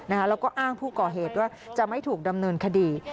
แล้วก็อ้างผู้ก่อเหตุว่าจะไม่ถูกดำเนินคดี